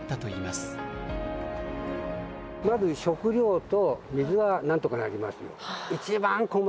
まず食料と水はなんとかなりますよ。